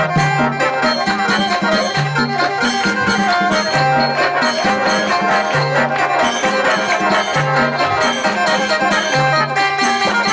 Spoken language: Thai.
พร้อมแล้วดนตรี